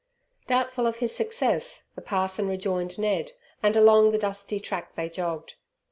Doubtful of his success, the parson rejoined Ned, and along the dusty track they jogged.